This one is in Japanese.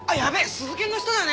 鈴建の人だよね